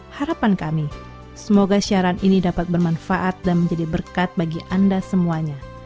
harapan kami semoga siaran ini dapat bermanfaat dan menjadi berkat bagi anda semuanya